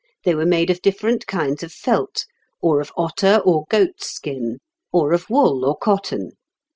They were made of different kinds of felt, or of otter or goat's skin, or of wool or cotton.